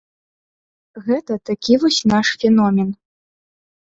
Гэта такі вось наш феномен.